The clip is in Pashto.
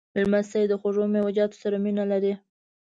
لمسی د خوږو میوهجاتو سره مینه لري.